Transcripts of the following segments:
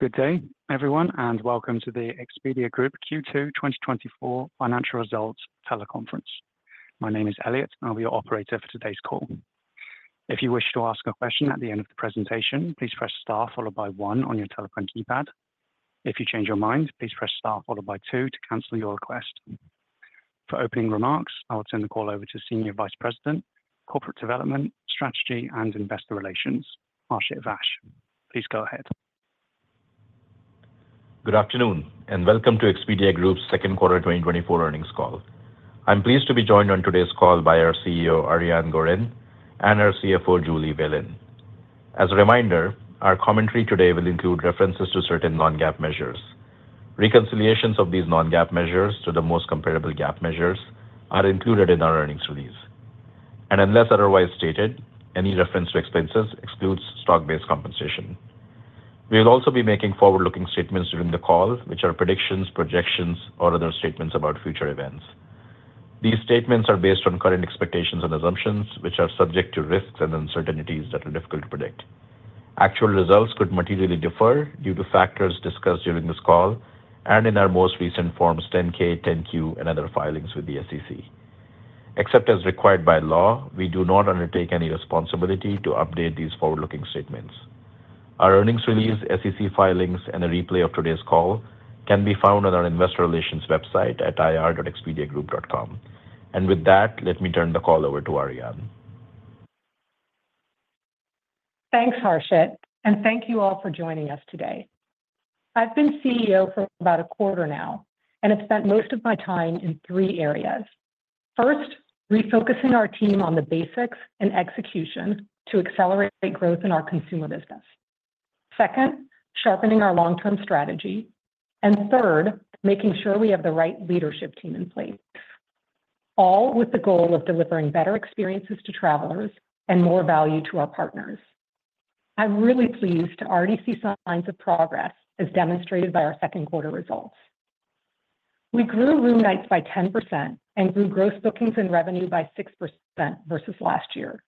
Good day, everyone, and welcome to the Expedia Group Q2 2024 financial results teleconference. My name is Elliot, and I'll be your operator for today's call. If you wish to ask a question at the end of the presentation, please press star followed by one on your telephone keypad. If you change your mind, please press star followed by two to cancel your request. For opening remarks, I'll turn the call over to Senior Vice President, Corporate Development, Strategy, and Investor Relations, Harshit Vaish. Please go ahead. Good afternoon, and welcome to Expedia Group's second quarter 2024 earnings call. I'm pleased to be joined on today's call by our CEO, Ariane Gorin, and our CFO, Julie Whalen. As a reminder, our commentary today will include references to certain non-GAAP measures. Reconciliations of these non-GAAP measures to the most comparable GAAP measures are included in our earnings release. Unless otherwise stated, any reference to expenses excludes stock-based compensation. We'll also be making forward-looking statements during the call, which are predictions, projections, or other statements about future events. These statements are based on current expectations and assumptions, which are subject to risks and uncertainties that are difficult to predict. Actual results could materially differ due to factors discussed during this call and in our most recent Forms 10-K, 10-Q, and other filings with the SEC. Except as required by law, we do not undertake any responsibility to update these forward-looking statements. Our earnings release, SEC filings, and a replay of today's call can be found on our investor relations website at ir.expediagroup.com. With that, let me turn the call over to Ariane. Thanks, Harshit, and thank you all for joining us today. I've been CEO for about a quarter now and have spent most of my time in three areas. First, refocusing our team on the basics and execution to accelerate growth in our consumer business. Second, sharpening our long-term strategy. And third, making sure we have the right leadership team in place, all with the goal of delivering better experiences to travelers and more value to our partners. I'm really pleased to already see some signs of progress, as demonstrated by our second quarter results. We grew room nights by 10% and grew gross bookings and revenue by 6% versus last year.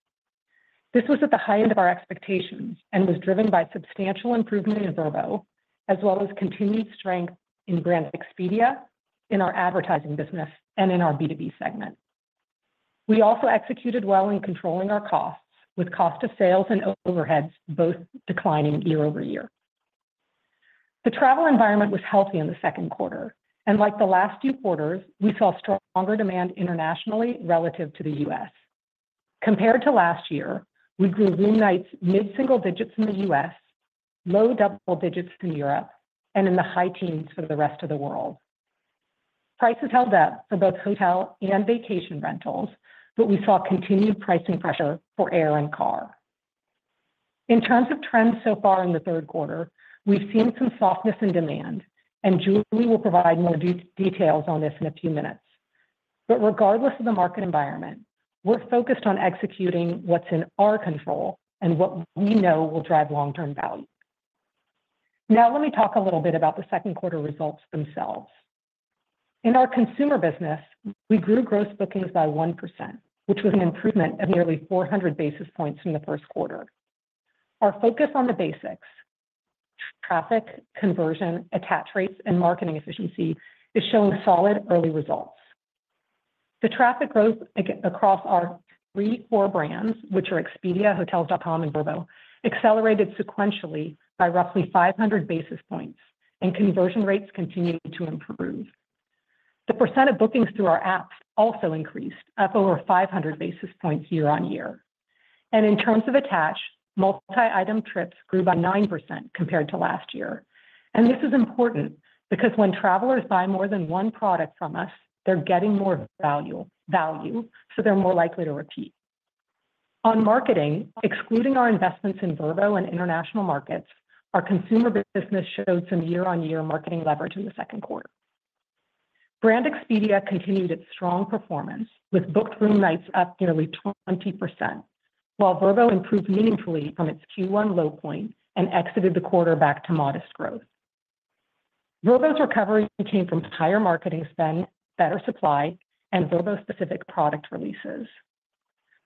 This was at the high end of our expectations and was driven by substantial improvement in Vrbo, as well as continued strength in Brand Expedia, in our advertising business, and in our B2B segment. We also executed well in controlling our costs, with cost of sales and overheads both declining year-over-year. The travel environment was healthy in the second quarter, and like the last two quarters, we saw stronger demand internationally relative to the U.S. Compared to last year, we grew room nights mid-single digits in the U.S., low double digits in Europe, and in the high teens for the rest of the world. Prices held up for both hotel and vacation rentals, but we saw continued pricing pressure for air and car. In terms of trends so far in the third quarter, we've seen some softness in demand, and Julie will provide more details on this in a few minutes. But regardless of the market environment, we're focused on executing what's in our control and what we know will drive long-term value. Now, let me talk a little bit about the second quarter results themselves. In our consumer business, we grew gross bookings by 1%, which was an improvement of nearly 400 basis points from the first quarter. Our focus on the basics, traffic, conversion, attach rates, and marketing efficiency, is showing solid early results. The traffic growth across our three core brands, which are Expedia, Hotels.com, and Vrbo, accelerated sequentially by roughly 500 basis points, and conversion rates continued to improve. The percent of bookings through our apps also increased, up over 500 basis points year-on-year. And in terms of attach, multi-item trips grew by 9% compared to last year. And this is important because when travelers buy more than one product from us, they're getting more value, value, so they're more likely to repeat. On marketing, excluding our investments in Vrbo and international markets, our consumer business showed some year-on-year marketing leverage in the second quarter. Brand Expedia continued its strong performance, with booked room nights up nearly 20%, while Vrbo improved meaningfully from its Q1 low point and exited the quarter back to modest growth. Vrbo's recovery came from higher marketing spend, better supply, and Vrbo-specific product releases.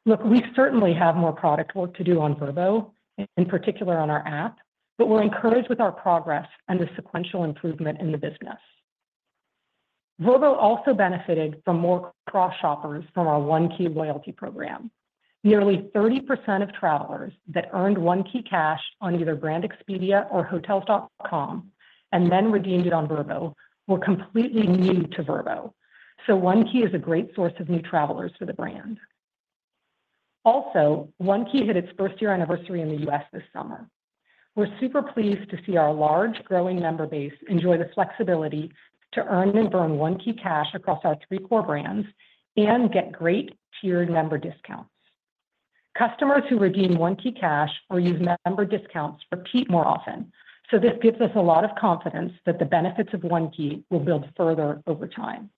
Look, we certainly have more product work to do on Vrbo, in particular on our app, but we're encouraged with our progress and the sequential improvement in the business. Vrbo also benefited from more cross-shoppers from our One Key loyalty program. Nearly 30% of travelers that earned OneKeyCash on either Brand Expedia or Hotels.com and then redeemed it on Vrbo, were completely new to Vrbo. So One Key is a great source of new travelers for the brand. Also, One Key hit its first-year anniversary in the U.S. this summer. We're super pleased to see our large, growing member base enjoy the flexibility to earn and burn OneKeyCash across our three core brands and get great tiered member discounts. Customers who redeem OneKeyCash or use member discounts repeat more often, so this gives us a lot of confidence that the benefits of One Key will build further over time.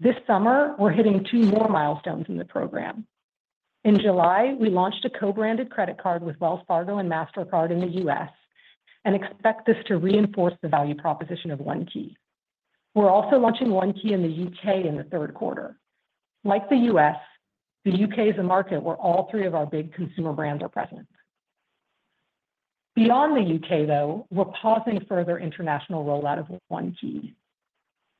This summer, we're hitting two more milestones in the program. In July, we launched a co-branded credit card with Wells Fargo and Mastercard in the U.S. and expect this to reinforce the value proposition of One Key. We're also launching One Key in the U.K. in the third quarter. Like the U.S., the U.K. is a market where all three of our big consumer brands are present. Beyond the U.K., though, we're pausing further international rollout of One Key.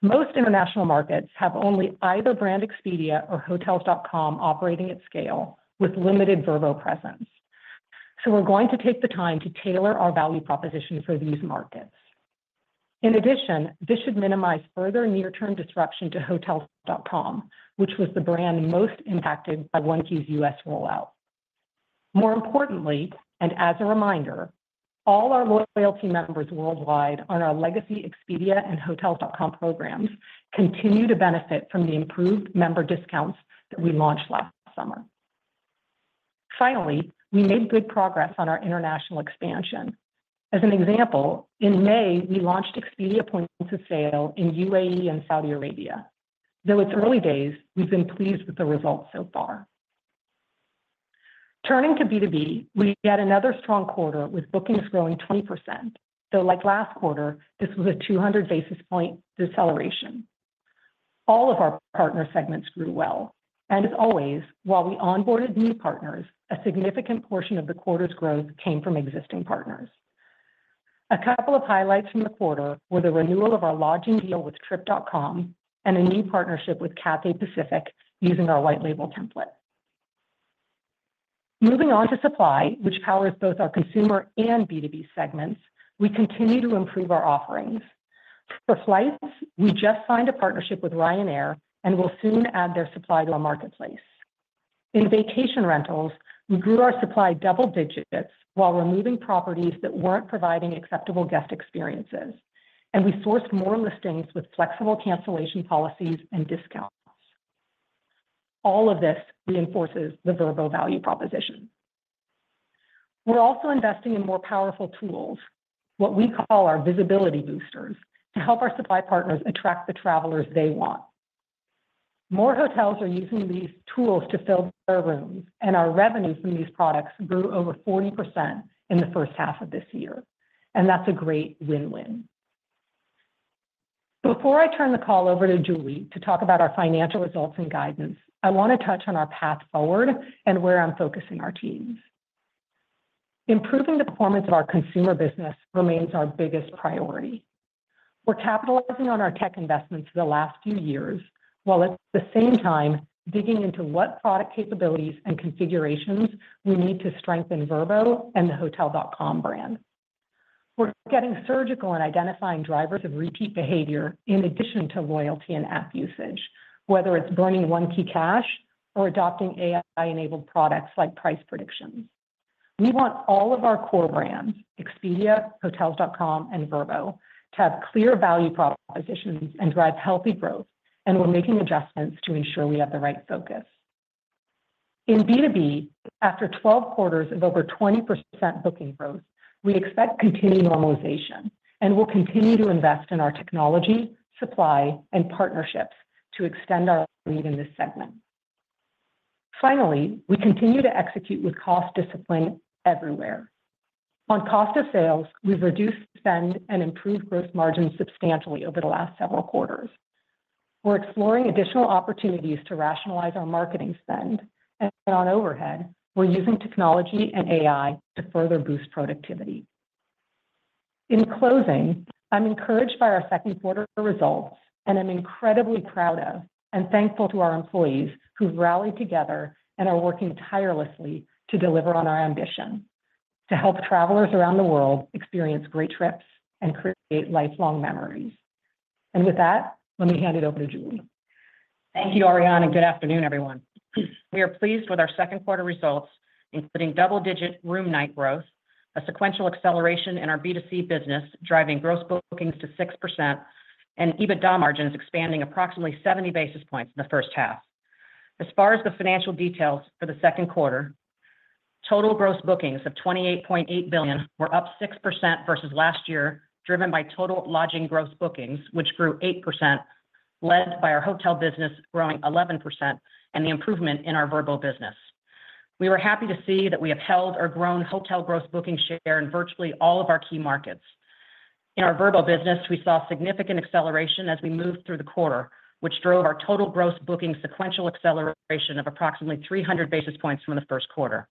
Most international markets have only either Brand Expedia or Hotels.com operating at scale, with limited Vrbo presence. So we're going to take the time to tailor our value proposition for these markets. In addition, this should minimize further near-term disruption to Hotels.com, which was the brand most impacted by One Key's U.S. rollout. More importantly, and as a reminder, all our loyalty members worldwide on our legacy Expedia and Hotels.com programs continue to benefit from the improved member discounts that we launched last summer. Finally, we made good progress on our international expansion. As an example, in May, we launched Expedia points of sale in UAE and Saudi Arabia. Though it's early days, we've been pleased with the results so far. Turning to B2B, we had another strong quarter, with bookings growing 20%, though like last quarter, this was a 200 basis point deceleration. All of our partner segments grew well, and as always, while we onboarded new partners, a significant portion of the quarter's growth came from existing partners. A couple of highlights from the quarter were the renewal of our lodging deal with Trip.com and a new partnership with Cathay Pacific using our white label template. Moving on to supply, which powers both our consumer and B2B segments, we continue to improve our offerings. For flights, we just signed a partnership with Ryanair and will soon add their supply to our marketplace. In vacation rentals, we grew our supply double digits while removing properties that weren't providing acceptable guest experiences, and we sourced more listings with flexible cancellation policies and discounts. All of this reinforces the Vrbo value proposition. We're also investing in more powerful tools, what we call our Visibility Boosters, to help our supply partners attract the travelers they want. More hotels are using these tools to fill their rooms, and our revenue from these products grew over 40% in the first half of this year, and that's a great win-win. Before I turn the call over to Julie to talk about our financial results and guidance, I want to touch on our path forward and where I'm focusing our teams. Improving the performance of our consumer business remains our biggest priority. We're capitalizing on our tech investments for the last few years, while at the same time, digging into what product capabilities and configurations we need to strengthen Vrbo and the Hotels.com brand. We're getting surgical in identifying drivers of repeat behavior in addition to loyalty and app usage, whether it's burning OneKeyCash or adopting AI-enabled products like price predictions. We want all of our core brands, Expedia, Hotels.com, and Vrbo, to have clear value propositions and drive healthy growth, and we're making adjustments to ensure we have the right focus. In B2B, after 12 quarters of over 20% booking growth, we expect continued normalization and will continue to invest in our technology, supply, and partnerships to extend our lead in this segment. Finally, we continue to execute with cost discipline everywhere. On cost of sales, we've reduced spend and improved gross margin substantially over the last several quarters. We're exploring additional opportunities to rationalize our marketing spend, and on overhead, we're using technology and AI to further boost productivity. In closing, I'm encouraged by our second quarter results, and I'm incredibly proud of and thankful to our employees who've rallied together and are working tirelessly to deliver on our ambition: to help travelers around the world experience great trips and create lifelong memories. And with that, let me hand it over to Julie. Thank you, Ariane, and good afternoon, everyone. We are pleased with our second quarter results, including double-digit room night growth, a sequential acceleration in our B2C business, driving gross bookings to 6%, and EBITDA margin is expanding approximately 70 basis points in the first half. As far as the financial details for the second quarter, total gross bookings of $28.8 billion were up 6% versus last year, driven by total lodging gross bookings, which grew 8%, led by our hotel business growing 11% and the improvement in our Vrbo business. We were happy to see that we have held or grown hotel gross booking share in virtually all of our key markets. In our Vrbo business, we saw significant acceleration as we moved through the quarter, which drove our total gross booking sequential acceleration of approximately 300 basis points from the first quarter.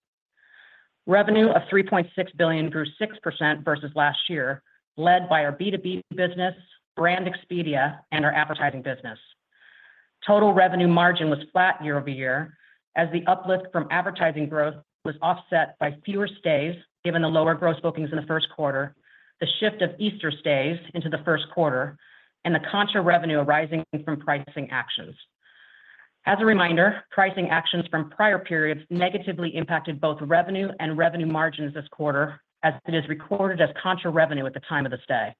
Revenue of $3.6 billion grew 6% versus last year, led by our B2B business, Brand Expedia, and our advertising business. Total revenue margin was flat year-over-year as the uplift from advertising growth was offset by fewer stays, given the lower gross bookings in the first quarter, the shift of Easter stays into the first quarter, and the contra revenue arising from pricing actions. As a reminder, pricing actions from prior periods negatively impacted both revenue and revenue margins this quarter, as it is recorded as contra revenue at the time of the stay.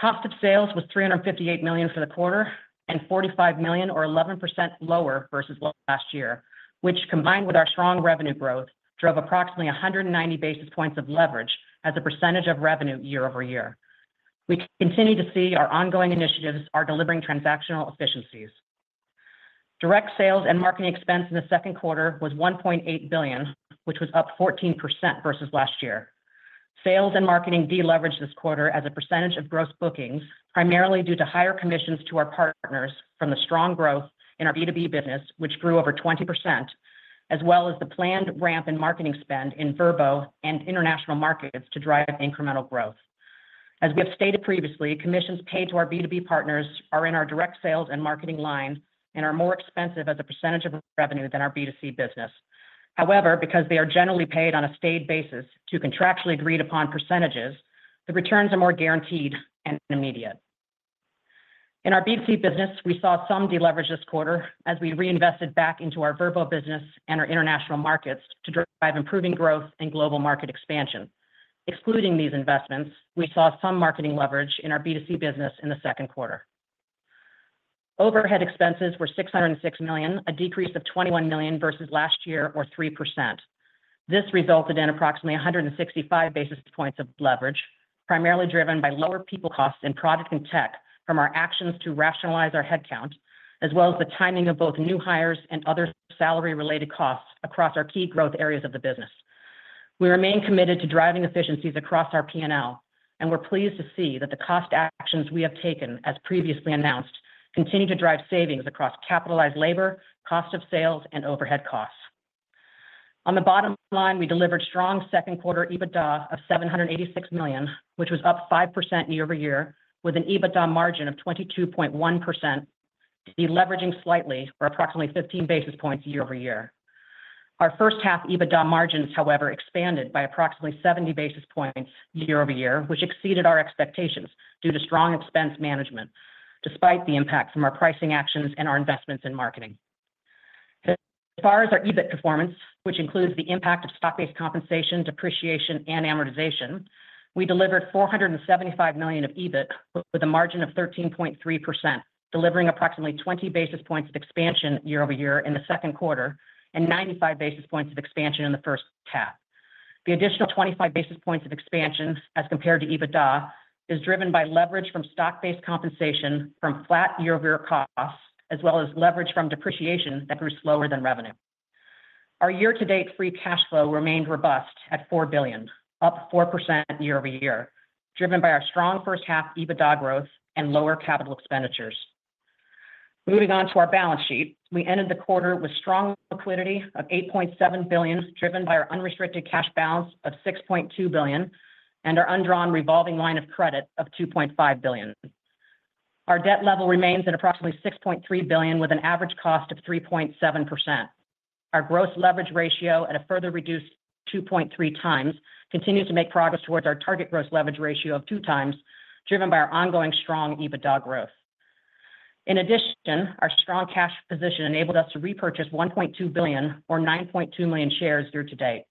Cost of sales was $358 million for the quarter and $45 million or 11% lower versus last year, which, combined with our strong revenue growth, drove approximately 190 basis points of leverage as a percentage of revenue year-over-year. We continue to see our ongoing initiatives are delivering transactional efficiencies. Direct sales and marketing expense in the second quarter was $1.8 billion, which was up 14% versus last year. Sales and marketing deleveraged this quarter as a percentage of gross bookings, primarily due to higher commissions to our partners from the strong growth in our B2B business, which grew over 20%, as well as the planned ramp in marketing spend in Vrbo and international markets to drive incremental growth. As we have stated previously, commissions paid to our B2B partners are in our direct sales and marketing line and are more expensive as a percentage of revenue than our B2C business. However, because they are generally paid on a stayed basis to contractually agreed upon percentages, the returns are more guaranteed and immediate. In our B2C business, we saw some deleverage this quarter as we reinvested back into our Vrbo business and our international markets to drive improving growth and global market expansion. Excluding these investments, we saw some marketing leverage in our B2C business in the second quarter. Overhead expenses were $606 million, a decrease of $21 million versus last year, or 3%. This resulted in approximately 165 basis points of leverage, primarily driven by lower people costs in product and tech from our actions to rationalize our headcount, as well as the timing of both new hires and other salary-related costs across our key growth areas of the business. We remain committed to driving efficiencies across our P&L, and we're pleased to see that the cost actions we have taken, as previously announced, continue to drive savings across capitalized labor, cost of sales, and overhead costs. On the bottom line, we delivered strong second quarter EBITDA of $786 million, which was up 5% year-over-year, with an EBITDA margin of 22.1%, deleveraging slightly or approximately 15 basis points year-over-year. Our first half EBITDA margins, however, expanded by approximately 70 basis points year-over-year, which exceeded our expectations due to strong expense management, despite the impact from our pricing actions and our investments in marketing. As far as our EBIT performance, which includes the impact of stock-based compensation, depreciation, and amortization, we delivered $475 million of EBIT with a margin of 13.3%, delivering approximately 20 basis points of expansion year-over-year in the second quarter and 95 basis points of expansion in the first half. The additional 25 basis points of expansion as compared to EBITDA, is driven by leverage from stock-based compensation, from flat year-over-year costs, as well as leverage from depreciation that grew slower than revenue. Our year-to-date free cash flow remained robust at $4 billion, up 4% year-over-year, driven by our strong first half EBITDA growth and lower capital expenditures. Moving on to our balance sheet. We ended the quarter with strong liquidity of $8.7 billion, driven by our unrestricted cash balance of $6.2 billion, and our undrawn revolving line of credit of $2.5 billion. Our debt level remains at approximately $6.3 billion, with an average cost of 3.7%. Our gross leverage ratio at a further reduced 2.3x, continues to make progress towards our target gross leverage ratio of 2x, driven by our ongoing strong EBITDA growth. In addition, our strong cash position enabled us to repurchase $1.2 billion or 9.2 million shares year-to-date.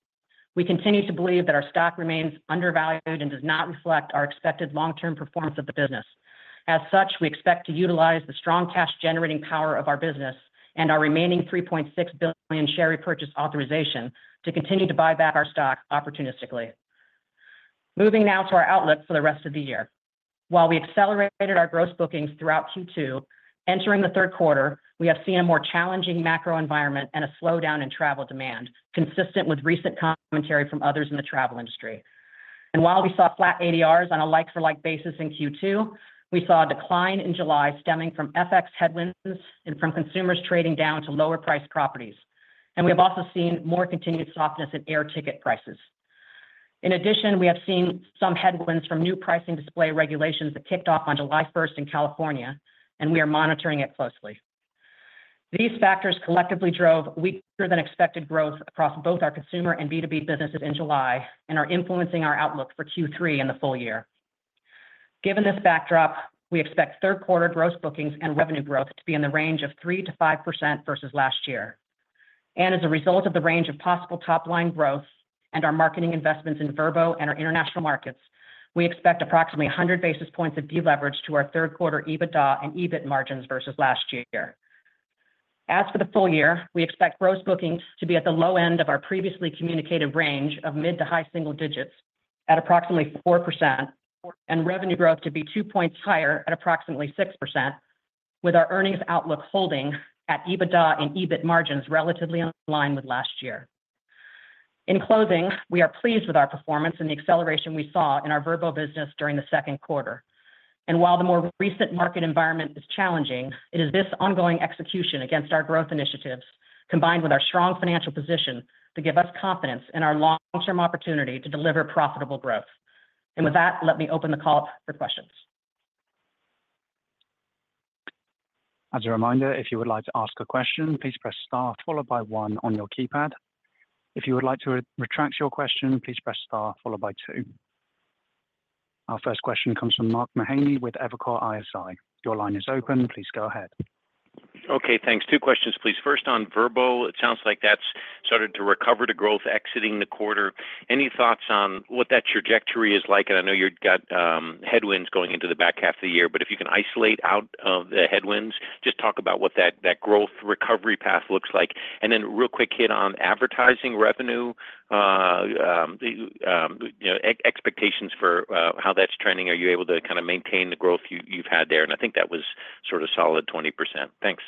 We continue to believe that our stock remains undervalued and does not reflect our expected long-term performance of the business. As such, we expect to utilize the strong cash-generating power of our business and our remaining $3.6 billion share repurchase authorization to continue to buy back our stock opportunistically. Moving now to our outlook for the rest of the year. While we accelerated our gross bookings throughout Q2, entering the third quarter, we have seen a more challenging macro environment and a slowdown in travel demand, consistent with recent commentary from others in the travel industry. While we saw flat ADRs on a like-for-like basis in Q2, we saw a decline in July stemming from FX headwinds and from consumers trading down to lower priced properties. We have also seen more continued softness in air ticket prices. In addition, we have seen some headwinds from new pricing display regulations that kicked off on July 1 in California, and we are monitoring it closely. These factors collectively drove weaker than expected growth across both our consumer and B2B businesses in July and are influencing our outlook for Q3 and the full-year. Given this backdrop, we expect third quarter gross bookings and revenue growth to be in the range of 3%-5% versus last year. As a result of the range of possible top-line growth and our marketing investments in Vrbo and our international markets, we expect approximately 100 basis points of deleverage to our third quarter EBITDA and EBIT margins versus last year. As for the full-year, we expect gross bookings to be at the low end of our previously communicated range of mid- to high-single-digits at approximately 4%, and revenue growth to be two points higher at approximately 6%, with our earnings outlook holding at EBITDA and EBIT margins relatively in line with last year. In closing, we are pleased with our performance and the acceleration we saw in our Vrbo business during the second quarter. And while the more recent market environment is challenging, it is this ongoing execution against our growth initiatives, combined with our strong financial position, to give us confidence in our long-term opportunity to deliver profitable growth. And with that, let me open the call for questions. As a reminder, if you would like to ask a question, please press star followed by one on your keypad. If you would like to retract your question, please press star followed by two. Our first question comes from Mark Mahaney with Evercore ISI. Your line is open. Please go ahead. Okay, thanks. Two questions, please. First, on Vrbo, it sounds like that's started to recover to growth exiting the quarter. Any thoughts on what that trajectory is like? And I know you've got headwinds going into the back half of the year, but if you can isolate out the headwinds, just talk about what that growth recovery path looks like. And then real quick hit on advertising revenue, you know, expectations for how that's trending. Are you able to kind of maintain the growth you've had there? And I think that was sort of solid 20%. Thanks. ...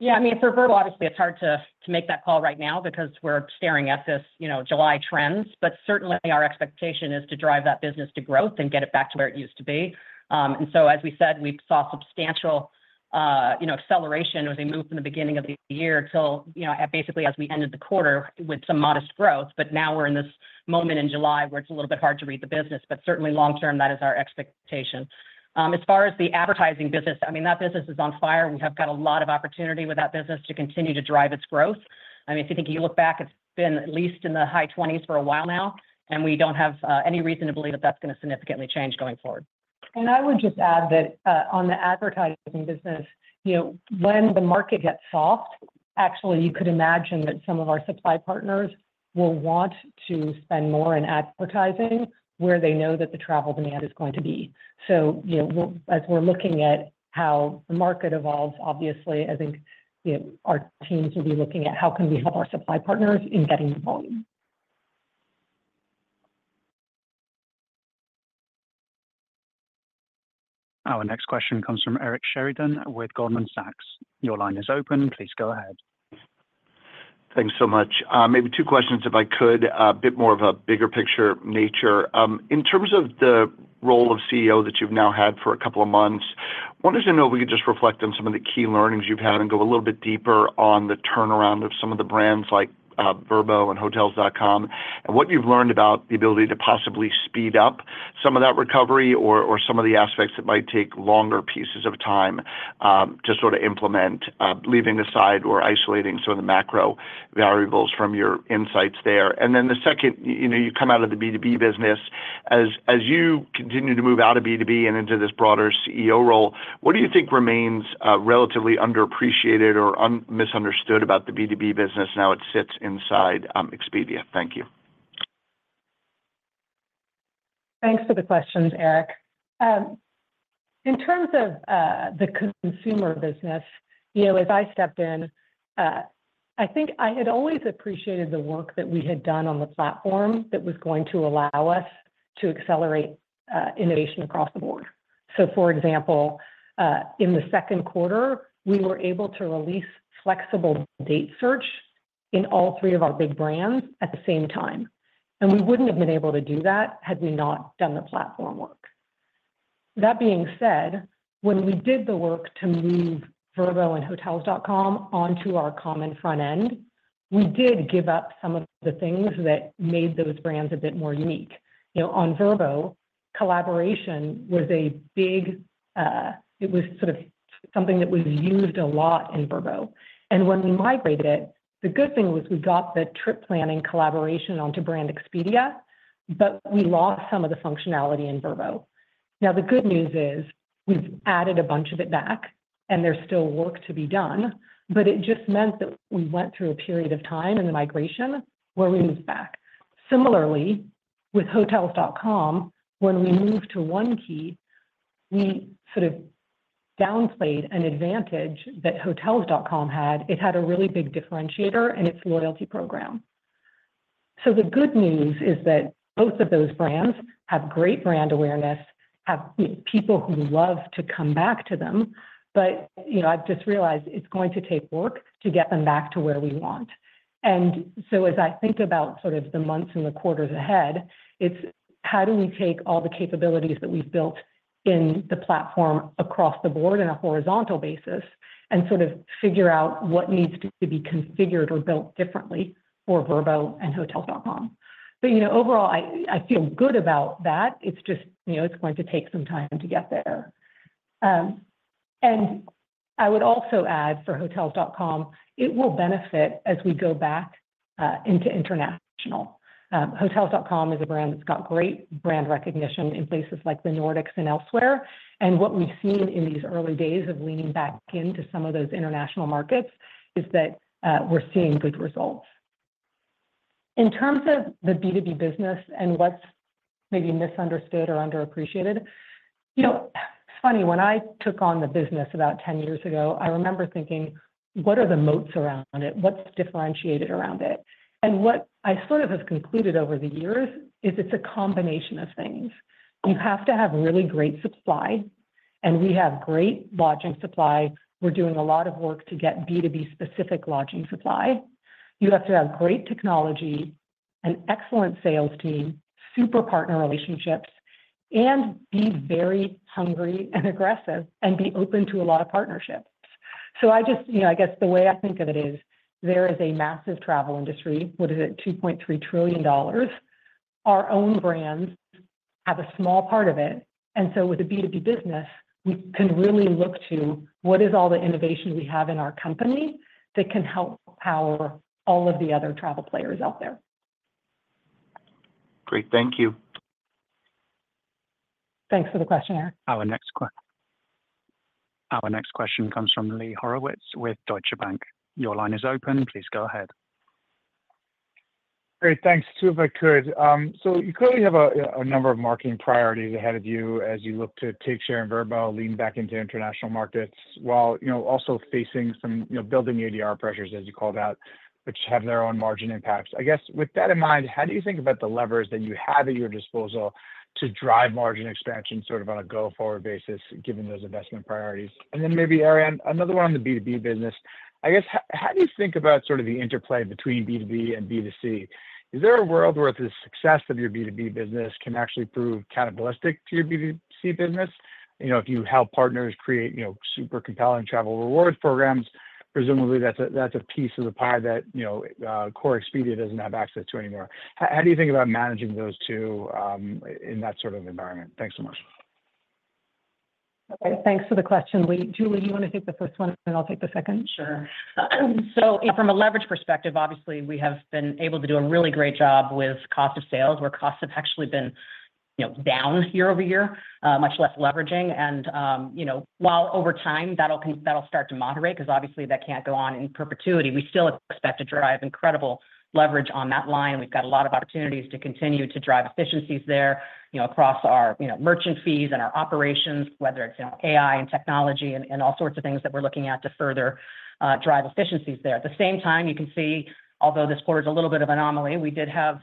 Yeah, I mean, for Vrbo, obviously, it's hard to make that call right now because we're staring at this, you know, July trends. But certainly, our expectation is to drive that business to growth and get it back to where it used to be. And so as we said, we saw substantial, you know, acceleration as we moved from the beginning of the year till, you know, basically as we ended the quarter with some modest growth. But now we're in this moment in July, where it's a little bit hard to read the business, but certainly long-term, that is our expectation. As far as the advertising business, I mean, that business is on fire, and we have got a lot of opportunity with that business to continue to drive its growth. I mean, if you think, you look back, it's been at least in the high twenties for a while now, and we don't have any reason to believe that that's going to significantly change going forward. I would just add that, on the advertising business, you know, when the market gets soft, actually, you could imagine that some of our supply partners will want to spend more in advertising where they know that the travel demand is going to be. So, you know, as we're looking at how the market evolves, obviously, I think, you know, our teams will be looking at how can we help our supply partners in getting the volume. Our next question comes from Eric Sheridan with Goldman Sachs. Your line is open. Please go ahead. Thanks so much. Maybe two questions, if I could. A bit more of a bigger picture nature. In terms of the role of CEO that you've now had for a couple of months, I wanted to know if we could just reflect on some of the key learnings you've had and go a little bit deeper on the turnaround of some of the brands like Vrbo and Hotels.com, and what you've learned about the ability to possibly speed up some of that recovery or some of the aspects that might take longer pieces of time to sort of implement, leaving aside or isolating some of the macro variables from your insights there. And then the second, you know, you come out of the B2B business. As you continue to move out of B2B and into this broader CEO role, what do you think remains relatively underappreciated or misunderstood about the B2B business, now it sits inside Expedia? Thank you. Thanks for the questions, Eric. In terms of the consumer business, you know, as I stepped in, I think I had always appreciated the work that we had done on the platform that was going to allow us to accelerate innovation across the board. So for example, in the second quarter, we were able to release flexible date search in all three of our big brands at the same time, and we wouldn't have been able to do that had we not done the platform work. That being said, when we did the work to move Vrbo and Hotels.com onto our common front end, we did give up some of the things that made those brands a bit more unique. You know, on Vrbo, collaboration was a big, it was sort of something that was used a lot in Vrbo. When we migrated it, the good thing was we got the trip planning collaboration onto Brand Expedia, but we lost some of the functionality in Vrbo. Now, the good news is, we've added a bunch of it back, and there's still work to be done, but it just meant that we went through a period of time in the migration where we moved back. Similarly, with Hotels.com, when we moved to One Key, we sort of downplayed an advantage that Hotels.com had. It had a really big differentiator in its loyalty program. So the good news is that both of those brands have great brand awareness, have, you know, people who love to come back to them, but, you know, I've just realized it's going to take work to get them back to where we want. As I think about sort of the months and the quarters ahead, it's how do we take all the capabilities that we've built in the platform across the board in a horizontal basis and sort of figure out what needs to be configured or built differently for Vrbo and Hotels.com? But, you know, overall, I feel good about that. It's just, you know, it's going to take some time to get there. And I would also add for Hotels.com, it will benefit as we go back into international. Hotels.com is a brand that's got great brand recognition in places like the Nordics and elsewhere. And what we've seen in these early days of leaning back into some of those international markets is that we're seeing good results. In terms of the B2B business and what's maybe misunderstood or underappreciated, you know, it's funny, when I took on the business about 10 years ago, I remember thinking, what are the moats around it? What's differentiated around it? And what I sort of have concluded over the years is it's a combination of things. You have to have really great supply, and we have great lodging supply. We're doing a lot of work to get B2B specific lodging supply. You have to have great technology, an excellent sales team, super partner relationships, and be very hungry and aggressive, and be open to a lot of partnerships. So I just, you know, I guess the way I think of it is, there is a massive travel industry, what is it? $2.3 trillion. Our own brands have a small part of it, and so with the B2B business, we can really look to what is all the innovation we have in our company that can help power all of the other travel players out there. Great. Thank you. Thanks for the question, Eric. Our next question comes from Lee Horowitz with Deutsche Bank. Your line is open. Please go ahead. Great. Thanks. Two, if I could. So you clearly have a number of marketing priorities ahead of you as you look to take share in Vrbo, lean back into international markets, while, you know, also facing some, you know, building ADR pressures, as you called out, which have their own margin impacts. I guess with that in mind, how do you think about the levers that you have at your disposal to drive margin expansion sort of on a go-forward basis, given those investment priorities? And then maybe, Ari, another one on the B2B business. I guess, how do you think about sort of the interplay between B2B and B2C? Is there a world where the success of your B2B business can actually prove cannibalistic to your B2C business? You know, if you help partners create, you know, super compelling travel rewards programs?... presumably that's a, that's a piece of the pie that, you know, core Expedia doesn't have access to anymore. How, how do you think about managing those two, in that sort of environment? Thanks so much. Okay, thanks for the question. Julie, do you wanna take the first one, and then I'll take the second? Sure. So from a leverage perspective, obviously, we have been able to do a really great job with cost of sales, where costs have actually been, you know, down year-over-year, much less leveraging. And, you know, while over time, that'll start to moderate, 'cause obviously, that can't go on in perpetuity. We still expect to drive incredible leverage on that line. We've got a lot of opportunities to continue to drive efficiencies there, you know, across our, you know, merchant fees and our operations, whether it's, you know, AI and technology, and all sorts of things that we're looking at to further drive efficiencies there. At the same time, you can see, although this quarter is a little bit of anomaly, we did have,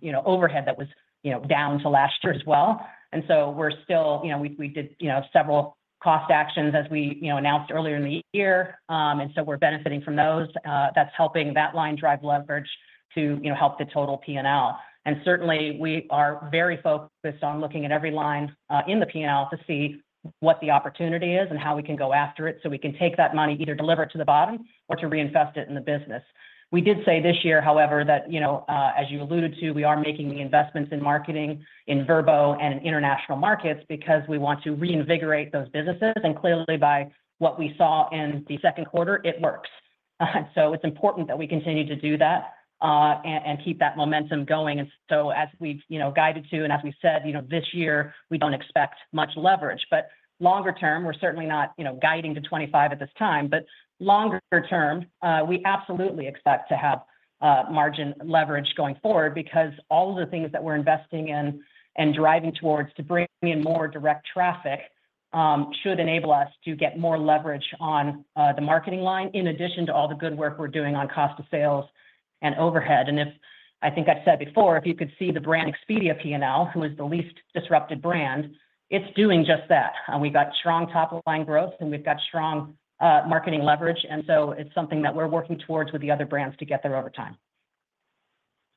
you know, overhead that was, you know, down to last year as well. And so we're still, you know, we did, you know, several cost actions as we, you know, announced earlier in the year. And so we're benefiting from those. That's helping that line drive leverage to, you know, help the total P&L. And certainly, we are very focused on looking at every line in the P&L to see what the opportunity is and how we can go after it, so we can take that money, either deliver it to the bottom or to reinvest it in the business. We did say this year, however, that, you know, as you alluded to, we are making the investments in marketing in Vrbo and in international markets because we want to reinvigorate those businesses. And clearly, by what we saw in the second quarter, it works. So it's important that we continue to do that, and keep that momentum going. And so as we've, you know, guided to, and as we said, you know, this year, we don't expect much leverage. But longer term, we're certainly not, you know, guiding to 25 at this time. But longer term, we absolutely expect to have margin leverage going forward. Because all of the things that we're investing in and driving towards to bring in more direct traffic should enable us to get more leverage on the marketing line, in addition to all the good work we're doing on cost of sales and overhead. And I think I've said before, if you could see the Brand Expedia P&L, who is the least disrupted brand, it's doing just that. We've got strong top-line growth, and we've got strong marketing leverage, and so it's something that we're working towards with the other brands to get there over time.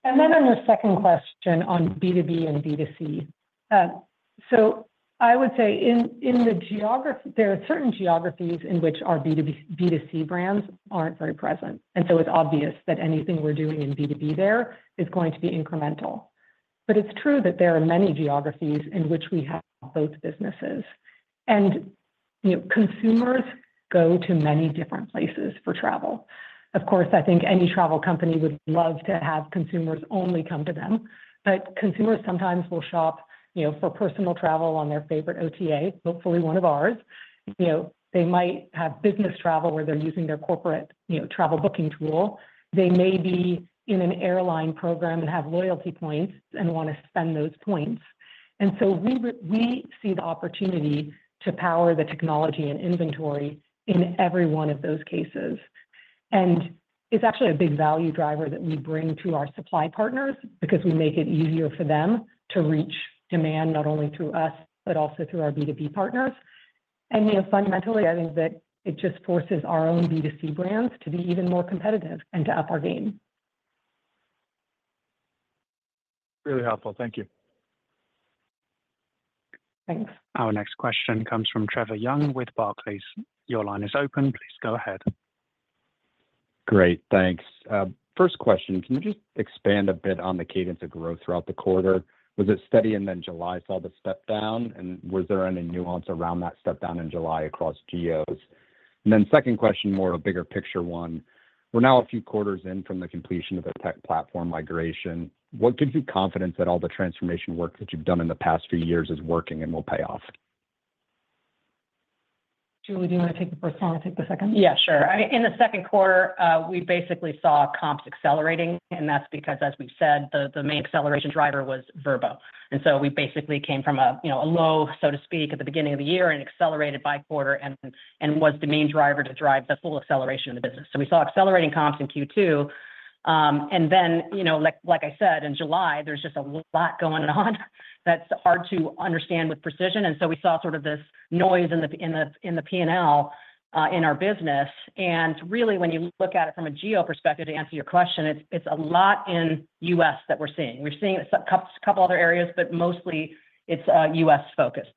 And then on the second question on B2B and B2C. So I would say in the geography, there are certain geographies in which our B2B, B2C brands aren't very present, and so it's obvious that anything we're doing in B2B there is going to be incremental. But it's true that there are many geographies in which we have both businesses. You know, consumers go to many different places for travel. Of course, I think any travel company would love to have consumers only come to them. But consumers sometimes will shop, you know, for personal travel on their favorite OTA, hopefully one of ours. You know, they might have business travel where they're using their corporate, you know, travel booking tool. They may be in an airline program and have loyalty points and wanna spend those points. We see the opportunity to power the technology and inventory in every one of those cases. It's actually a big value driver that we bring to our supply partners because we make it easier for them to reach demand, not only through us, but also through our B2B partners. You know, fundamentally, I think that it just forces our own B2C brands to be even more competitive and to up our game. Really helpful. Thank you. Thanks. Our next question comes from Trevor Young with Barclays. Your line is open. Please go ahead. Great, thanks. First question, can you just expand a bit on the cadence of growth throughout the quarter? Was it steady, and then July saw the step down? And was there any nuance around that step down in July across geos? And then second question, more a bigger picture one. We're now a few quarters in from the completion of a tech platform migration. What gives you confidence that all the transformation work that you've done in the past few years is working and will pay off? Julie, do you wanna take the first one, and I'll take the second? Yeah, sure. In the second quarter, we basically saw comps accelerating, and that's because, as we've said, the main acceleration driver was Vrbo. And so we basically came from a, you know, a low, so to speak, at the beginning of the year and accelerated by quarter and was the main driver to drive the full acceleration of the business. So we saw accelerating comps in Q2. And then, you know, like I said, in July, there's just a lot going on, that's hard to understand with precision, and so we saw sort of this noise in the P&L in our business. And really, when you look at it from a geo perspective, to answer your question, it's a lot in U.S. that we're seeing. We're seeing it a couple other areas, but mostly it's U.S. focused.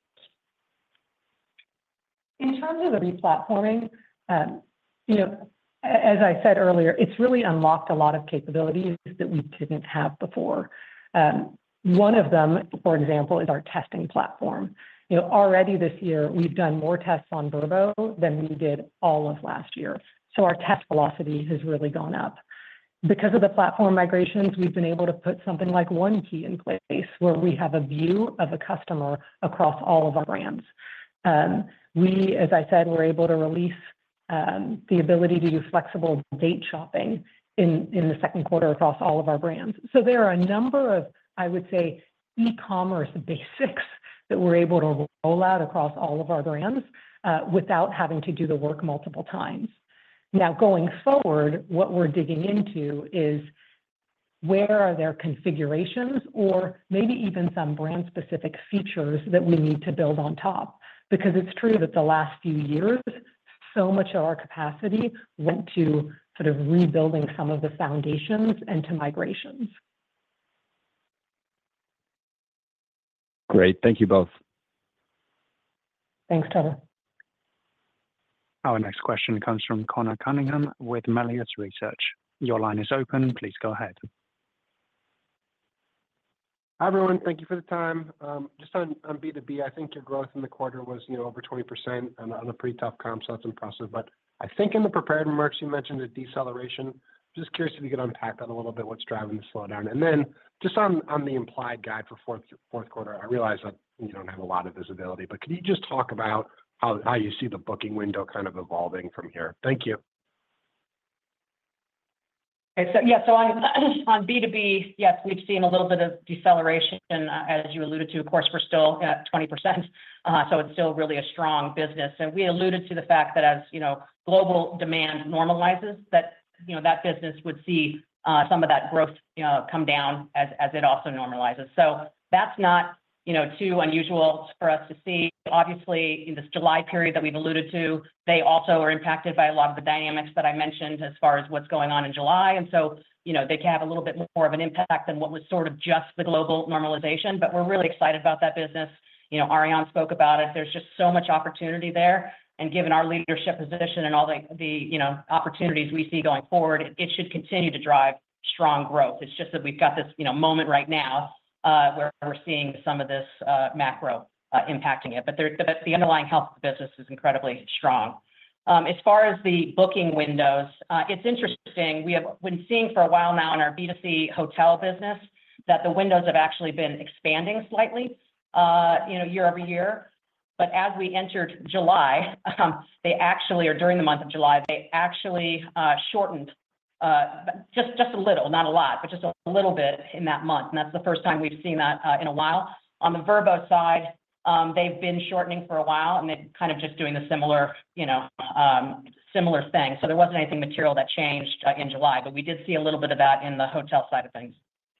In terms of the re-platforming, you know, as I said earlier, it's really unlocked a lot of capabilities that we didn't have before. One of them, for example, is our testing platform. You know, already this year, we've done more tests on Vrbo than we did all of last year, so our test velocity has really gone up. Because of the platform migrations, we've been able to put something like One Key in place, where we have a view of a customer across all of our brands. We, as I said, were able to release the ability to do flexible date shopping in the second quarter across all of our brands. So there are a number of, I would say, e-commerce basics that we're able to roll out across all of our brands without having to do the work multiple times. Now, going forward, what we're digging into is: Where are there configurations or maybe even some brand-specific features that we need to build on top? Because it's true that the last few years, so much of our capacity went to sort of rebuilding some of the foundations and to migrations.... Great. Thank you both. Thanks, Trevor. Our next question comes from Conor Cunningham with Melius Research. Your line is open. Please go ahead. Hi, everyone. Thank you for the time. Just on B2B, I think your growth in the quarter was, you know, over 20% and on a pretty tough comp, so that's impressive. But I think in the prepared remarks, you mentioned a deceleration. Just curious if you could unpack that a little bit, what's driving the slowdown? And then just on the implied guide for fourth quarter, I realize that you don't have a lot of visibility, but could you just talk about how you see the booking window kind of evolving from here? Thank you. Okay. So, yeah, so on B2B, yes, we've seen a little bit of deceleration as you alluded to. Of course, we're still at 20%, so it's still really a strong business. So we alluded to the fact that as, you know, global demand normalizes, that, you know, that business would see some of that growth, you know, come down as it also normalizes. So that's not, you know, too unusual for us to see. Obviously, in this July period that we've alluded to, they also are impacted by a lot of the dynamics that I mentioned as far as what's going on in July, and so, you know, they can have a little bit more of an impact than what was sort of just the global normalization. But we're really excited about that business. You know, Ariane spoke about it. There's just so much opportunity there, and given our leadership position and all the you know opportunities we see going forward, it should continue to drive strong growth. It's just that we've got this you know moment right now where we're seeing some of this macro impacting it. But the underlying health of the business is incredibly strong. As far as the booking windows, it's interesting, we have been seeing for a while now in our B2C hotel business that the windows have actually been expanding slightly you know year-over-year. But as we entered July, they actually or during the month of July, they actually shortened just a little, not a lot, but just a little bit in that month, and that's the first time we've seen that in a while. On the Vrbo side, they've been shortening for a while, and they've kind of just doing a similar, you know, similar thing. So there wasn't anything material that changed in July, but we did see a little bit of that in the hotel side of things.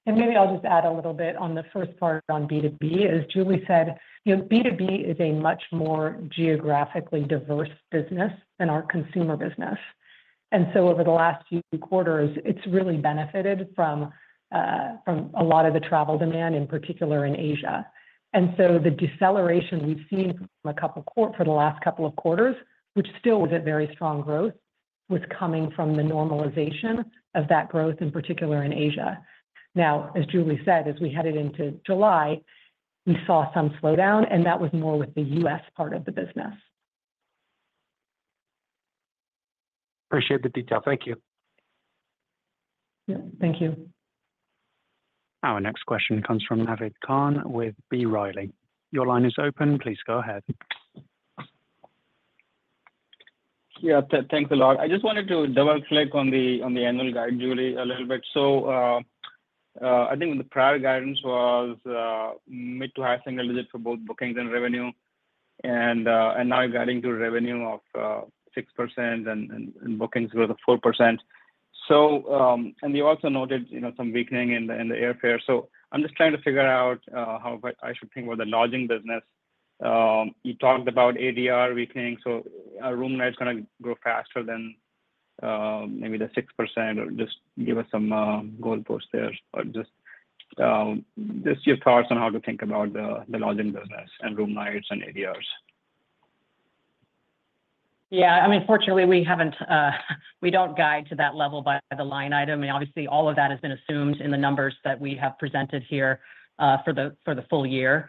Maybe I'll just add a little bit on the first part on B2B. As Julie said, you know, B2B is a much more geographically diverse business than our consumer business. And so over the last few quarters, it's really benefited from, from a lot of the travel demand, in particular in Asia. And so the deceleration we've seen for the last couple of quarters, which still was at very strong growth, was coming from the normalization of that growth, in particular in Asia. Now, as Julie said, as we headed into July, we saw some slowdown, and that was more with the U.S. part of the business. Appreciate the detail. Thank you. Yeah, thank you. Our next question comes from Naved Khan with B. Riley. Your line is open. Please go ahead. Yeah, thanks a lot. I just wanted to double-click on the annual guide, Julie, a little bit. So, I think when the prior guidance was mid to high single digits for both bookings and revenue, and now you're guiding to revenue of 6% and bookings growth of 4%. So, you also noted, you know, some weakening in the airfare. So I'm just trying to figure out how I should think about the lodging business. You talked about ADR weakening, so are room nights gonna grow faster than maybe the 6%? Or just give us some goalposts there or just your thoughts on how to think about the lodging business and room nights and ADRs. Yeah, I mean, unfortunately, we haven't, we don't guide to that level by the line item. Obviously, all of that has been assumed in the numbers that we have presented here, for the full-year.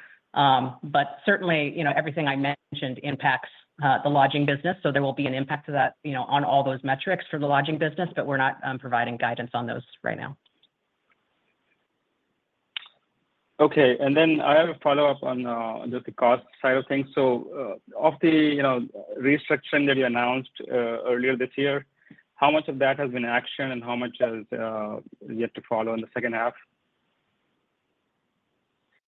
Certainly, you know, everything I mentioned impacts the lodging business, so there will be an impact to that, you know, on all those metrics for the lodging business, but we're not providing guidance on those right now. Okay. Then I have a follow-up on just the cost side of things. Of the, you know, restructure that you announced earlier this year, how much of that has been action and how much is yet to follow in the second half?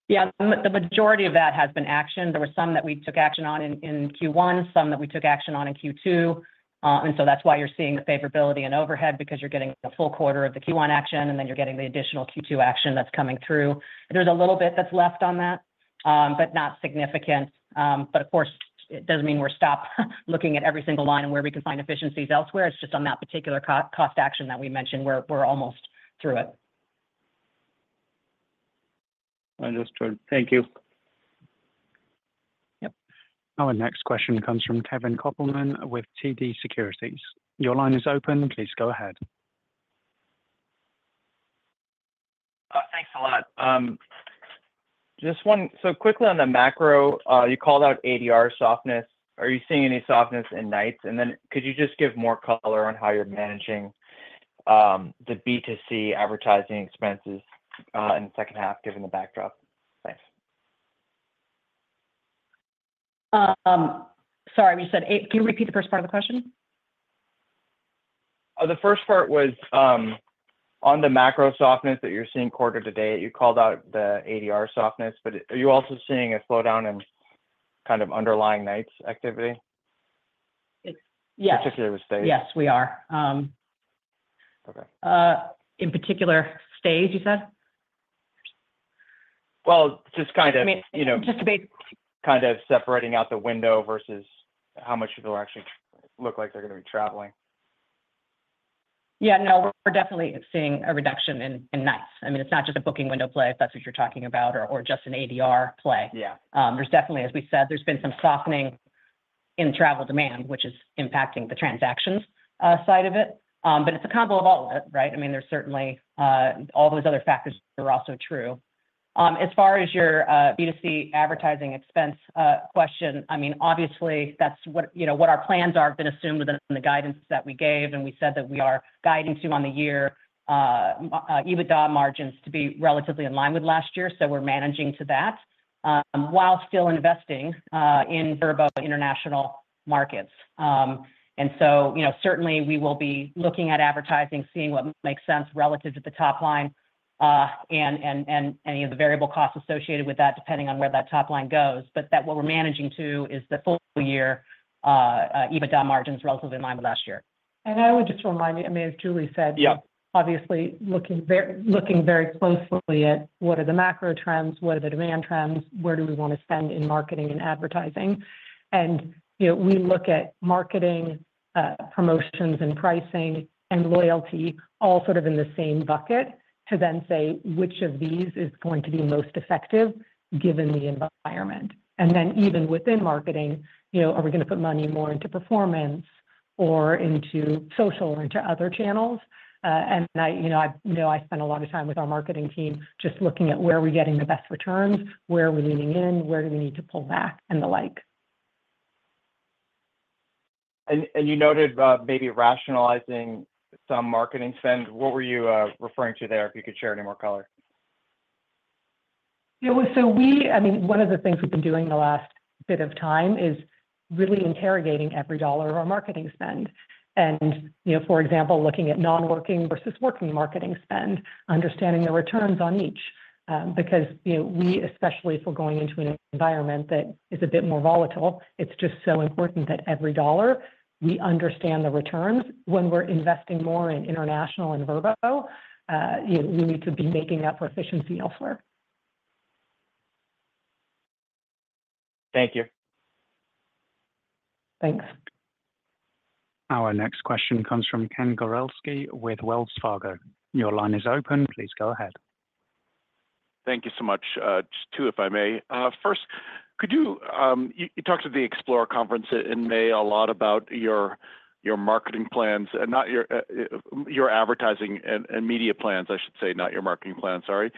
Yeah. The majority of that has been actioned. There were some that we took action on in Q1, some that we took action on in Q2. And so that's why you're seeing the favorability and overhead, because you're getting a full quarter of the Q1 action, and then you're getting the additional Q2 action that's coming through. There's a little bit that's left on that, but not significant. But of course, it doesn't mean we're stopped looking at every single line and where we can find efficiencies elsewhere. It's just on that particular cost action that we mentioned, we're almost through it. Understood. Thank you. Yep. Our next question comes from Kevin Kopelman with TD Securities. Your line is open. Please go ahead. Thanks a lot. Just one. So quickly on the macro, you called out ADR softness. Are you seeing any softness in nights? And then could you just give more color on how you're managing the B2C advertising expenses in the second half, given the backdrop? Thanks. Sorry, can you repeat the first part of the question? The first part was on the macro softness that you're seeing quarter-to-date, you called out the ADR softness, but are you also seeing a slowdown in kind of underlying nights activity? It's... Yes. Particularly with stage? Yes, we are. Okay. In particular stage, you said? Well, just kind of- I mean, just debate.... kind of separating out the window versus how much people actually look like they're gonna be traveling.... Yeah, no, we're definitely seeing a reduction in nights. I mean, it's not just a booking window play, if that's what you're talking about, or just an ADR play. Yeah. There's definitely, as we said, there's been some softening in travel demand, which is impacting the transactions, side of it. But it's a combo of all of it, right? I mean, there's certainly, all those other factors are also true. As far as your, B2C advertising expense, question, I mean, obviously, that's what, you know, what our plans are, have been assumed within the guidance that we gave, and we said that we are guiding to on the year, EBITDA margins to be relatively in line with last year. So we're managing to that, while still investing, in Vrbo International Markets. You know, certainly we will be looking at advertising, seeing what makes sense relative to the top line, and any of the variable costs associated with that, depending on where that top line goes. But that's what we're managing to is the full-year EBITDA margins relatively in line with last year. I would just remind you, I mean, as Julie said- Yep. Obviously, looking very closely at what are the macro trends, what are the demand trends, where do we want to spend in marketing and advertising? And, you know, we look at marketing, promotions and pricing and loyalty all sort of in the same bucket, to then say, which of these is going to be most effective given the environment? And then even within marketing, you know, are we going to put money more into performance or into social or into other channels? And I, you know, I know I spend a lot of time with our marketing team just looking at where are we getting the best returns, where are we leaning in, where do we need to pull back and the like. And you noted about maybe rationalizing some marketing spend. What were you referring to there, if you could share any more color? Yeah, so I mean, one of the things we've been doing in the last bit of time is really interrogating every dollar of our marketing spend. And, you know, for example, looking at non-working versus working marketing spend, understanding the returns on each. Because, you know, we, especially if we're going into an environment that is a bit more volatile, it's just so important that every dollar, we understand the returns. When we're investing more in international and Vrbo, you know, we need to be making up for efficiency elsewhere. Thank you. Thanks. Our next question comes from Ken Gawrelski with Wells Fargo. Your line is open. Please go ahead. Thank you so much. Just two, if I may. First, could you. You talked at the Explore conference in May a lot about your marketing plans, not your advertising and media plans, I should say, not your marketing plan. Sorry.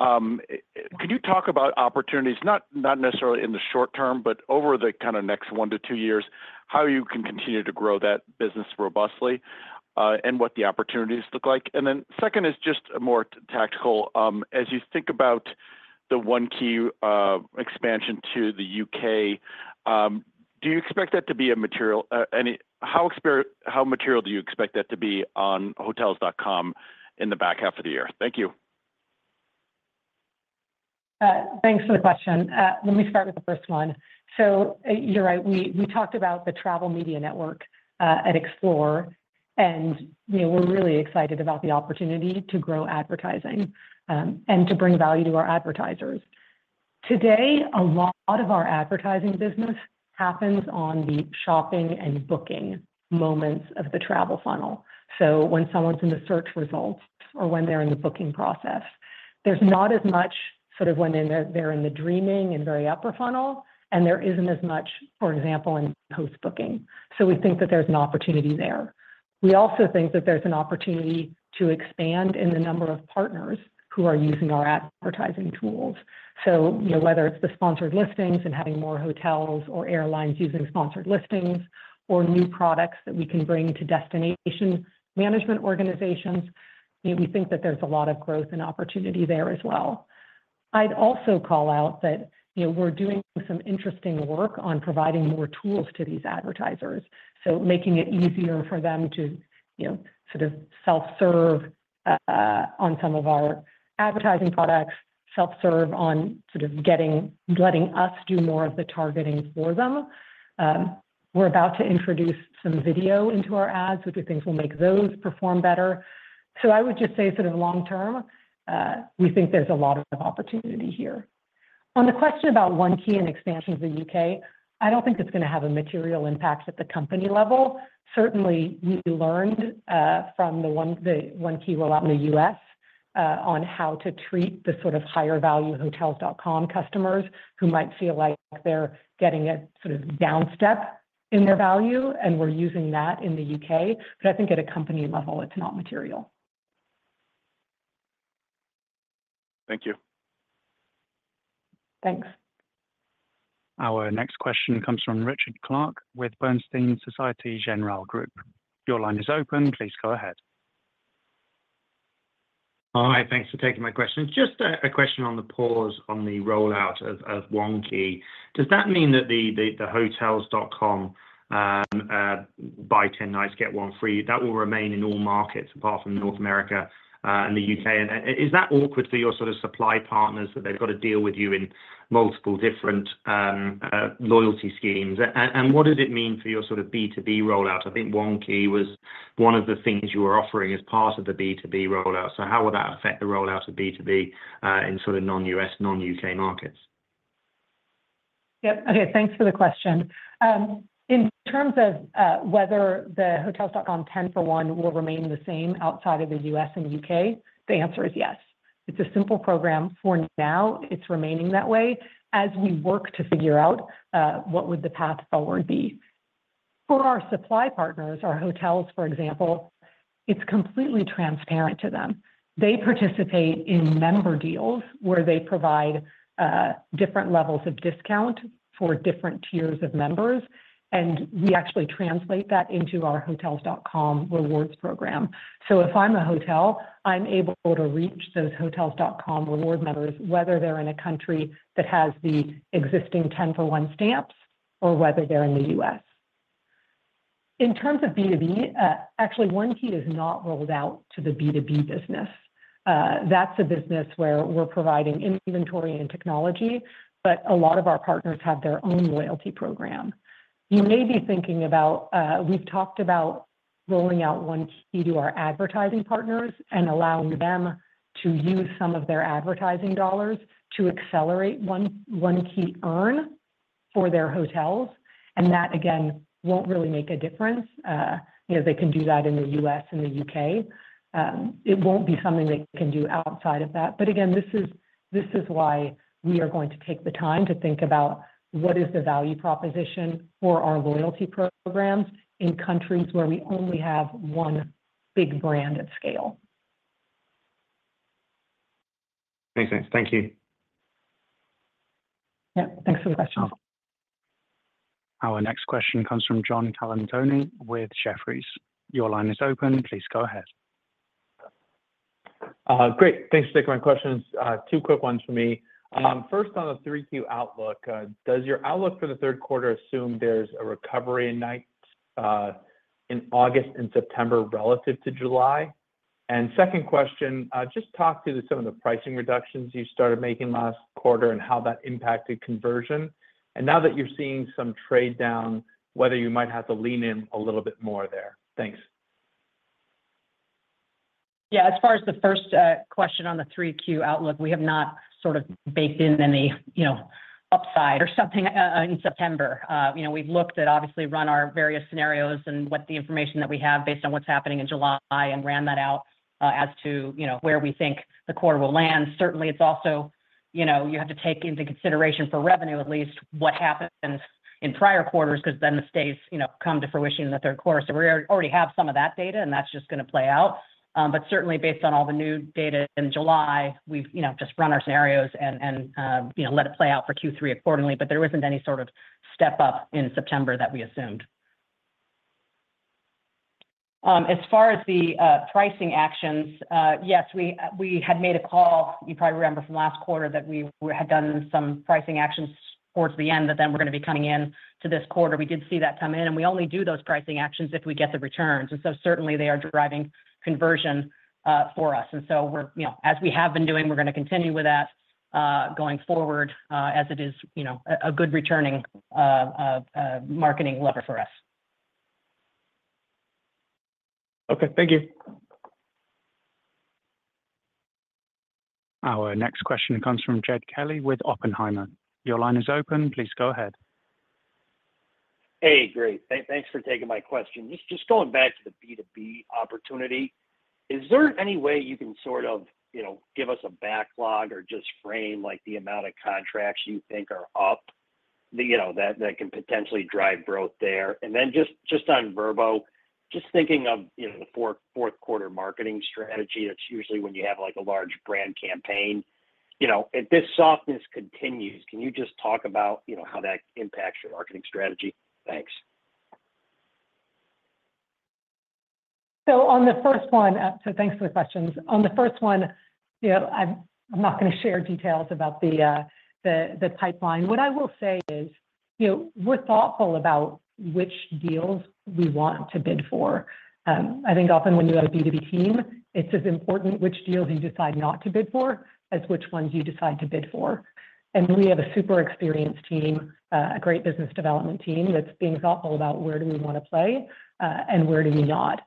Could you talk about opportunities, not necessarily in the short term, but over the kind of next one to two years, how you can continue to grow that business robustly, and what the opportunities look like? And then second is just more tactical. As you think about the One Key expansion to the U.K., do you expect that to be a material, how material do you expect that to be on Hotels.com in the back half of the year? Thank you. Thanks for the question. Let me start with the first one. So you're right, we, we talked about the Travel Media Network at Explore, and, you know, we're really excited about the opportunity to grow advertising and to bring value to our advertisers. Today, a lot of our advertising business happens on the shopping and booking moments of the travel funnel. So when someone's in the search results or when they're in the booking process, there's not as much sort of when they're, they're in the dreaming and very upper funnel, and there isn't as much, for example, in post-booking. So we think that there's an opportunity there. We also think that there's an opportunity to expand in the number of partners who are using our advertising tools. So, you know, whether it's the sponsored listings and having more hotels or airlines using sponsored listings, or new products that we can bring to destination management organizations, we think that there's a lot of growth and opportunity there as well. I'd also call out that, you know, we're doing some interesting work on providing more tools to these advertisers, so making it easier for them to, you know, sort of self-serve on some of our advertising products, self-serve on sort of letting us do more of the targeting for them. We're about to introduce some video into our ads, which we think will make those perform better. So I would just say sort of long term, we think there's a lot of opportunity here. On the question about One Key and expansions in the U.K., I don't think it's going to have a material impact at the company level. Certainly, we learned from the one, the One Key rollout in the U.S., on how to treat the sort of higher value Hotels.com customers who might feel like they're getting a sort of downstep in their value, and we're using that in the U.K. But I think at a company level, it's not material. Thank you. Thanks. Our next question comes from Richard Clarke with Bernstein. Your line is open. Please go ahead. Hi, thanks for taking my question. Just a question on the pause on the rollout of One Key. Does that mean that the Hotels.com buy 10 nights, get one free, that will remain in all markets apart from North America and the U.K.? And is that awkward for your sort of supply partners, that they've got to deal with you in multiple different loyalty schemes? And what does it mean for your sort of B2B rollout? I think One Key was one of the things you were offering as part of the B2B rollout. So how will that affect the rollout of B2B in sort of non-U.S., non-U.K. markets?... Yep. Okay, thanks for the question. In terms of whether the Hotels.com 10 for 1 will remain the same outside of the U.S. and U.K., the answer is yes. It's a simple program. For now, it's remaining that way as we work to figure out what would the path forward be. For our supply partners, our hotels, for example, it's completely transparent to them. They participate in member deals where they provide different levels of discount for different tiers of members, and we actually translate that into our Hotels.com Rewards program. So if I'm a hotel, I'm able to reach those Hotels.com Rewards members, whether they're in a country that has the existing 10 for 1 stamps or whether they're in the U.S. In terms of B2B, actually, One Key is not rolled out to the B2B business. That's a business where we're providing inventory and technology, but a lot of our partners have their own loyalty program. You may be thinking about... We've talked about rolling out One Key to our advertising partners and allowing them to use some of their advertising dollars to accelerate one, One Key earn for their hotels, and that, again, won't really make a difference. You know, they can do that in the U.S. and the U.K. It won't be something they can do outside of that. But again, this is, this is why we are going to take the time to think about what is the value proposition for our loyalty programs in countries where we only have one big brand at scale. Makes sense. Thank you. Yep. Thanks for the question. Our next question comes from John Colantuoni with Jefferies. Your line is open. Please go ahead. Great. Thanks for taking my questions. Two quick ones for me. First, on the 3Q outlook, does your outlook for the third quarter assume there's a recovery in nights in August and September relative to July? And second question, just talk through some of the pricing reductions you started making last quarter and how that impacted conversion. And now that you're seeing some trade down, whether you might have to lean in a little bit more there. Thanks. Yeah, as far as the first question on the 3Q outlook, we have not sort of baked in any, you know, upside or something in September. You know, we've looked at, obviously, run our various scenarios and what the information that we have based on what's happening in July and ran that out, as to, you know, where we think the quarter will land. Certainly, it's also, you know, you have to take into consideration for revenue, at least what happens in prior quarters, because then the stays, you know, come to fruition in the third quarter. So we already have some of that data, and that's just going to play out. But certainly based on all the new data in July, we've, you know, just run our scenarios and you know, let it play out for Q3 accordingly. But there isn't any sort of step up in September that we assumed. As far as the pricing actions, yes, we had made a call, you probably remember from last quarter, that we had done some pricing actions towards the end, that then we're going to be coming in to this quarter. We did see that come in, and we only do those pricing actions if we get the returns, and so certainly they are driving conversion for us. And so we're, you know, as we have been doing, we're going to continue with that, going forward, as it is, you know, a good returning marketing lever for us. Okay. Thank you. Our next question comes from Jed Kelly with Oppenheimer. Your line is open. Please go ahead. Hey, great. Thanks for taking my question. Just going back to the B2B opportunity, is there any way you can sort of, you know, give us a backlog or just frame, like the amount of contracts you think are up, you know, that can potentially drive growth there? And then just on Vrbo, just thinking of, you know, the fourth quarter marketing strategy, that's usually when you have like a large brand campaign. You know, if this softness continues, can you just talk about, you know, how that impacts your marketing strategy? Thanks. So thanks for the questions. On the first one, you know, I'm not going to share details about the pipeline. What I will say is, you know, we're thoughtful about which deals we want to bid for. I think often when you have a B2B team, it's as important which deals you decide not to bid for, as which ones you decide to bid for. We have a super experienced team, a great business development team that's being thoughtful about where do we want to play, and where do we not.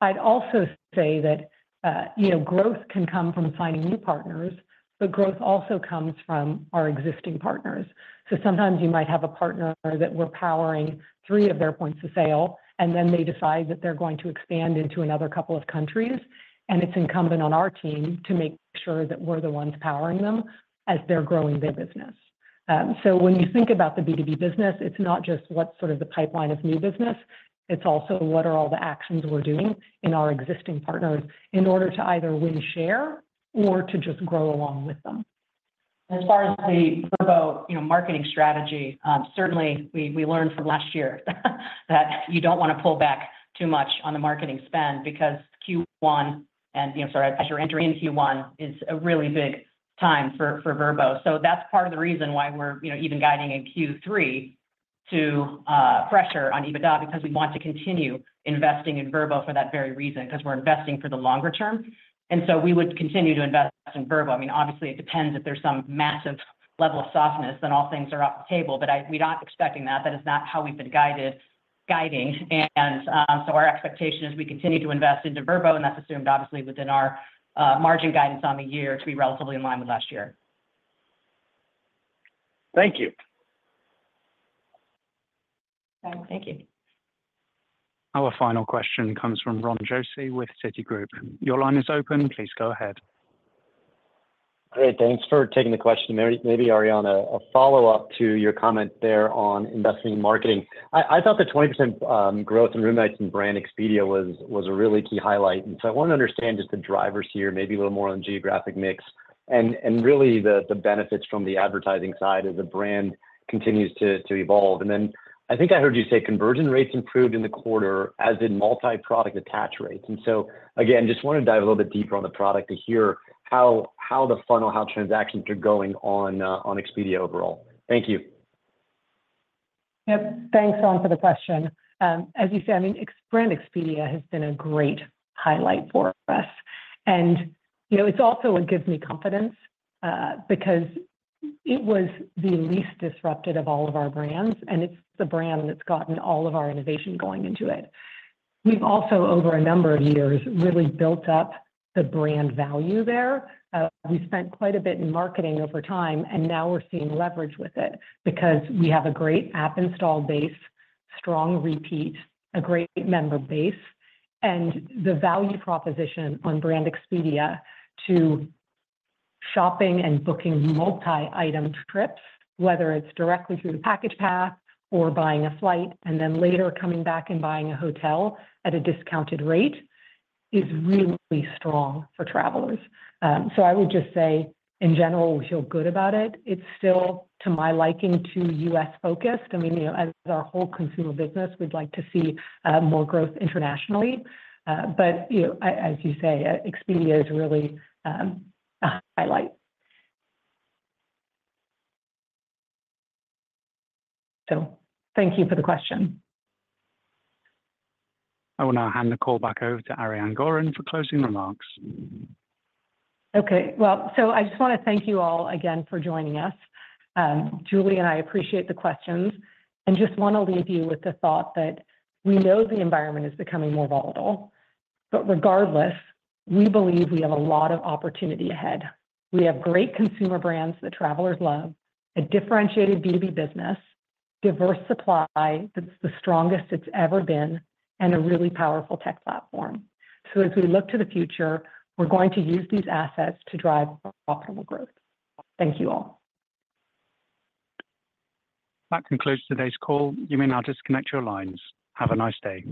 I'd also say that, you know, growth can come from finding new partners, but growth also comes from our existing partners. So sometimes you might have a partner that we're powering three of their points of sale, and then they decide that they're going to expand into another couple of countries, and it's incumbent on our team to make sure that we're the ones powering them as they're growing their business. So, when you think about the B2B business, it's not just what's sort of the pipeline of new business. It's also what are all the actions we're doing in our existing partners in order to either win, share, or to just grow along with them. As far as the Vrbo, you know, marketing strategy, certainly we learned from last year that you don't want to pull back too much on the marketing spend because Q1 and, you know, sorry, as you're entering Q1, is a really big time for Vrbo. So that's part of the reason why we're, you know, even guiding in Q3 to pressure on EBITDA, because we want to continue investing in Vrbo for that very reason, because we're investing for the longer term, and so we would continue to invest in Vrbo. I mean, obviously, it depends if there's some massive level of softness, then all things are off the table. But we're not expecting that. That is not how we've been guiding. So our expectation is we continue to invest into Vrbo, and that's assumed obviously within our margin guidance on the year to be relatively in line with last year. Thank you. Thank you. Our final question comes from Ron Josey with Citigroup. Your line is open. Please go ahead. Great, thanks for taking the question. Maybe, Ariane, a follow-up to your comment there on investing in marketing. I, I thought the 20% growth in room nights and Brand Expedia was, was a really key highlight. And so I want to understand just the drivers here, maybe a little more on geographic mix, and really the benefits from the advertising side as the brand continues to evolve. And then I think I heard you say conversion rates improved in the quarter, as did multi-product attach rates. And so again, just want to dive a little bit deeper on the product to hear how the funnel, how transactions are going on, on Expedia overall. Thank you. Yep. Thanks, Ron, for the question. As you say, I mean, Brand Expedia has been a great highlight for us. And, you know, it's also what gives me confidence, because it was the least disrupted of all of our brands, and it's the brand that's gotten all of our innovation going into it. We've also, over a number of years, really built up the brand value there. We spent quite a bit in marketing over time, and now we're seeing leverage with it because we have a great app install base, strong repeat, a great member base. And the value proposition on Brand Expedia to shopping and booking multi-item trips, whether it's directly through the package path or buying a flight, and then later coming back and buying a hotel at a discounted rate, is really strong for travelers. So I would just say, in general, we feel good about it. It's still, to my liking, too U.S.-focused. I mean, you know, as our whole consumer business, we'd like to see more growth internationally. But, you know, as you say, Expedia is really a highlight. So thank you for the question. I will now hand the call back over to Ariane Gorin for closing remarks. Okay. Well, so I just want to thank you all again for joining us. Julie and I appreciate the questions, and just want to leave you with the thought that we know the environment is becoming more volatile. But regardless, we believe we have a lot of opportunity ahead. We have great consumer brands that travelers love, a differentiated B2B business, diverse supply that's the strongest it's ever been, and a really powerful tech platform. So as we look to the future, we're going to use these assets to drive optimal growth. Thank you all. That concludes today's call. You may now disconnect your lines. Have a nice day.